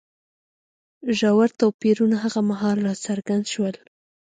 ژور توپیرونه هغه مهال راڅرګند شول